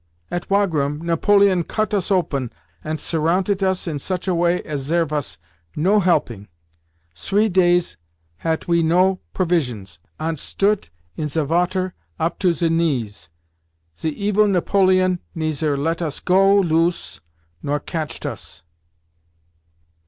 "At Wagram, Napoleon cut us open, ant surrountet us in such a way as zere vas no helping. Sree days hat we no provisions, ant stoot in ze vater op to ze knees. Ze evil Napoleon neiser let us go loose nor catchet us.